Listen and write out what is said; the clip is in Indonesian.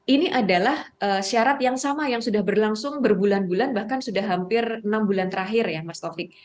ini adalah syarat yang sama yang sudah berlangsung berbulan bulan bahkan sudah hampir enam bulan terakhir ya mas taufik